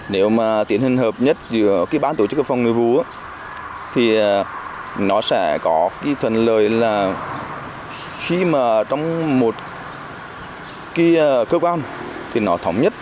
nếu mà tiến hành hợp nhất giữa cái ban tổ chức ở phòng nội vụ thì nó sẽ có cái thuận lợi là khi mà trong một cơ quan thì nó thống nhất